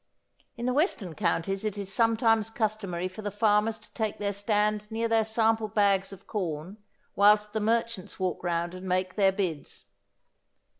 In the western counties it is sometimes customary for the farmers to take their stand near their sample bags of corn whilst the merchants walk round and make their bids.